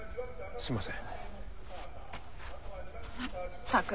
すみません。